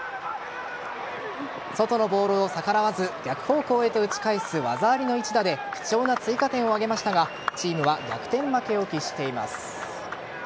外のボールを逆らわず逆方向へと打ち返す技ありの一打で貴重な追加点を挙げましたがチームは逆転負けを喫しています。